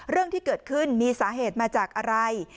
เรื่องที่เกิดขึ้นมีสาเหตุมาจากอะไร